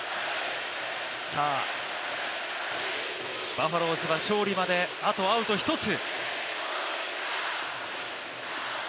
バファローズが勝利まであとアウト１つ。